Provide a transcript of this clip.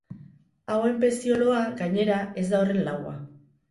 Hauen pezioloa, gainera, ez da horren laua.